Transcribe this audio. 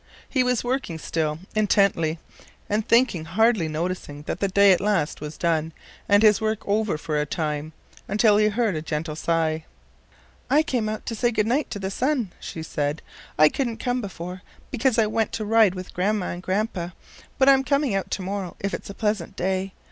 He was working still intently, and thinking, hardly noticing that the day at last was done and his work over for a time, until he heard her gentle sigh. "I came out to say good night to the sun," she said; "I couldn't come before, because I went to ride with Grandma and Grandpa, but I'm coming out to morrow if it's a pleasant day.